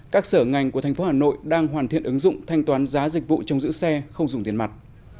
các sở ngành của tp hcm đang hoàn thiện ứng dụng thanh toán giá dịch vụ trông giữ xe không dùng tiền mặt